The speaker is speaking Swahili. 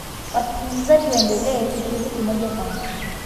Wasikilizaji waendelea kushiriki moja kwa moja